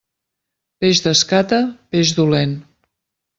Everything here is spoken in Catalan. Peix d'escata, peix dolent.